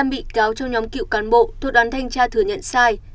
một mươi năm bị cáo trong nhóm cựu cán bộ thuộc đoán thanh tra thừa nhận sai